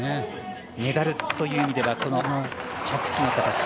メダルという意味では着地の形。